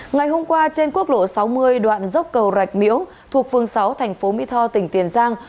ngày hôm qua trên quốc lộ sáu mươi đoạn dốc cầu rạch miễu thuộc phương sáu thành phố mỹ tho tỉnh tiền giang